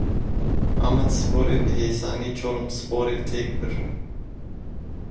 Amedsporê bi hêsanî Çorumsporê têk bir.